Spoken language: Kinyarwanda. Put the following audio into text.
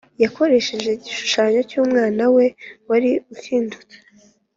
yakoresheje igishushanyo cy’umwana we wari ukindutse;